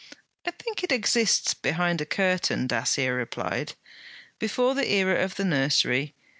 'I think it exists behind a curtain,' Dacier replied. 'Before the era of the Nursery.